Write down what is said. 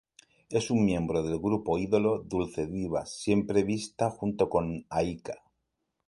Es una miembro del grupo ídolo "Dulce Diva", siempre vista junto con Aika.